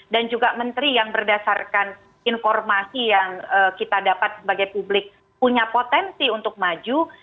dan juga menteri yang berdasarkan informasi yang kita dapat sebagai publik punya potensi untuk maju